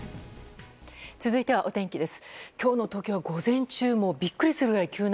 続いてはお天気です。